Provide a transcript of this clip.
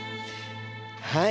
はい。